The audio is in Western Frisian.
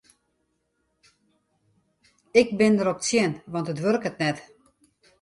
Ik bin derop tsjin want it wurket net.